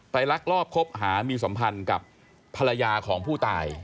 ลักลอบคบหามีสัมพันธ์กับภรรยาของผู้ตาย